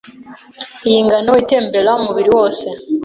Iyi ngano itembera umubiri wose